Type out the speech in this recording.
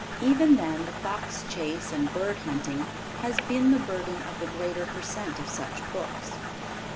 Even then the Fox Chase and Bird Hunting has been the burden of the greater percent of such books.